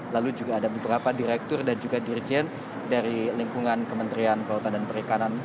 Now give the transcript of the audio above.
lalu juga ada beberapa direktur dan juga dirjen dari lingkungan kementerian kelautan dan perikanan